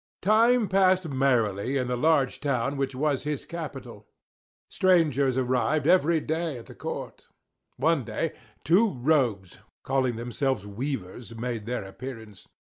Time passed merrily in the large town which was his capital; strangers arrived every day at the court. One day, two rogues, calling themselves weavers, made their appearance.